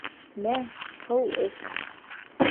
Мә, һыу эс.